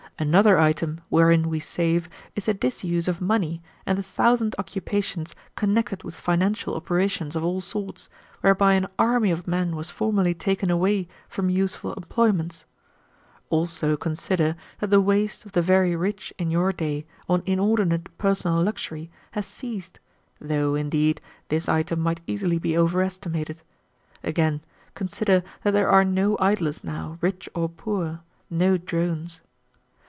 "Another item wherein we save is the disuse of money and the thousand occupations connected with financial operations of all sorts, whereby an army of men was formerly taken away from useful employments. Also consider that the waste of the very rich in your day on inordinate personal luxury has ceased, though, indeed, this item might easily be over estimated. Again, consider that there are no idlers now, rich or poor no drones.